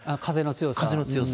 風の強さ。